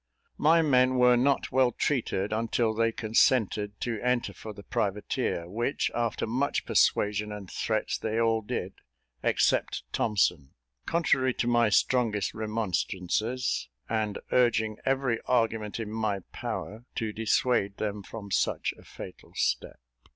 My men were not well treated until they consented to enter for the privateer, which, after much persuasion and threats, they all did, except Thompson, contrary to my strongest remonstrances, and urging every argument in my power to dissuade them from such a fatal step.